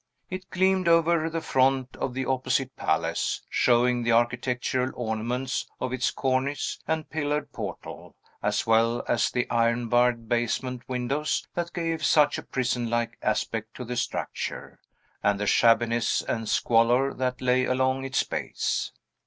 It gleamed over the front of the opposite palace, showing the architectural ornaments of its cornice and pillared portal, as well as the iron barred basement windows, that gave such a prison like aspect to the structure, and the shabbiness and Squalor that lay along its base.